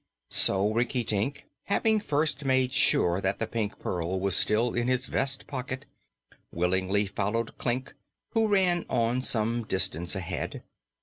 So Rinkitink, having first made sure that the Pink Pearl was still in his vest pocket, willingly followed Klik, who ran on some distance ahead.